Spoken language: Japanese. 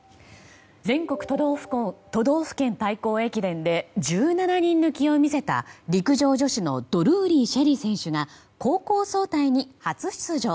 全国都道府県対抗駅伝で１７人抜きを見せた陸上女子のドルーリー朱瑛里選手が高校総体に初出場。